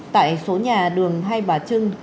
tại số nhà đường hai bà trưng